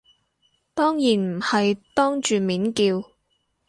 當然唔係當住面叫